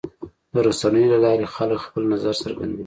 د رسنیو له لارې خلک خپل نظر څرګندوي.